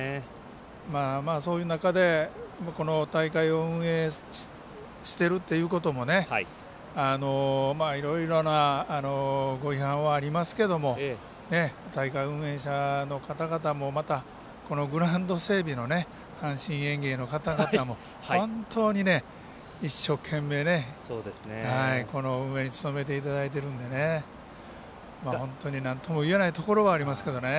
そういう中で、この大会を運営しているということもいろいろなご批判はありますけど大会運営者の方々もまた、グラウンド整備の阪神園芸の方々も、本当に一生懸命、この運営に努めていただいているので本当になんとも言えないところはありますけどね。